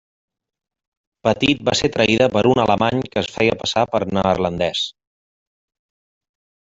Petit va ser traïda per un alemany que es feia passar per neerlandès.